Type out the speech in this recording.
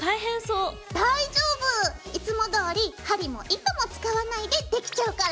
大丈夫！いつもどおり針も糸も使わないでできちゃうから。